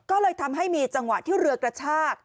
ก็เลยทำให้มีจังหวะที่เรือกระชาก